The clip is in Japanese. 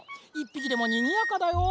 １ぴきでもにぎやかだよ。